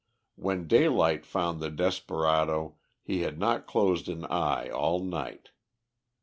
When daylight found the desperado, he had not closed an eye all night.